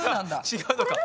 違うのか。